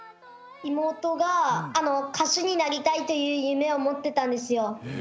妹が歌手になりたいという夢を持ってたんですよ。